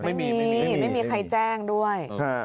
ไม่มีไม่มีใครแจ้งด้วย